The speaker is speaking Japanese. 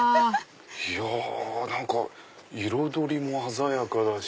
いや彩りも鮮やかだし。